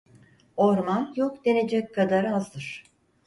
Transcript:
Orman yok denecek kadar azdır.